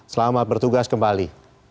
selamat bertugas kembali